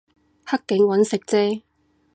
黑警搵食啫